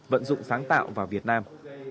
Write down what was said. vận dụng sáng tạo vào việt nam